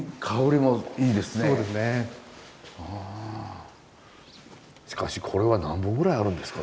そうですね。はしかしこれは何本ぐらいあるんですか？